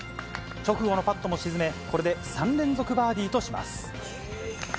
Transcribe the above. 直後のパットも沈め、これで３連続バーディーとします。